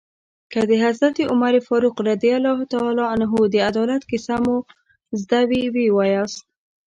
که د حضرت عمر فاروق رض د عدالت کیسه مو زده وي ويې وایاست.